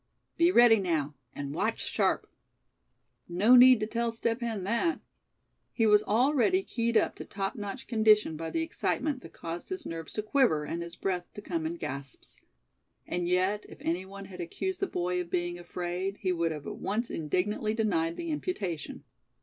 Be ready, now; and watch sharp!" No need to tell Step Hen that. He was already keyed up to top notch condition by the excitement that caused his nerves to quiver, and his breath to come in gasps. And yet, if any one had accused the boy of being afraid, he would have at once indignantly denied the imputation.